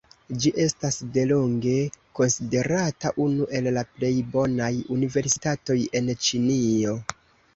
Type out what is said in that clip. Ĝi estas delonge konsiderata unu el la plej bonaj universitatoj en Ĉinio.